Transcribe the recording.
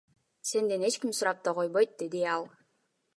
Сенден эч ким сурап да койбойт, — дейт ал.